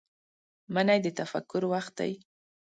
منی د تفکر وخت دی